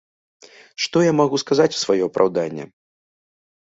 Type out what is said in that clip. Што я магу сказаць у сваё апраўданне?